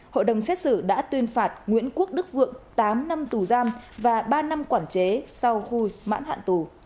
hội đồng xét xử đã tuyên phạt nguyễn quốc đức vượng tám năm tù giam và ba năm quản chế sau vui mãn hạn tù